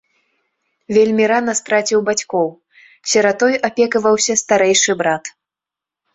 Вельмі рана страціў бацькоў, сіратой апекаваўся старэйшы брат.